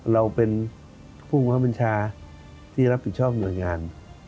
เราเป็นผู้มหาวิญญาณชาห์ที่รับผิดชอบหน่วยงาน